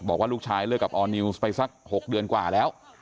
บอกว่าลูกชายเลิกกับออร์นิวส์ไปสัก๖เดือนกว่าแล้ว